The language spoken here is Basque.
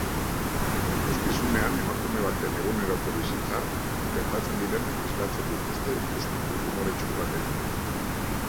Ikuskizunean emakume baten eguneroko bizitzan gertatzen direnak islatzen dituzte ikuspuntu umoretsu batetik